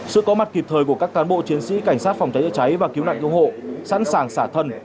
sự có mặt kịp thời của các cán bộ chiến sĩ cảnh sát phòng cháy chữa cháy và cứu nạn cứu hộ sẵn sàng xả thân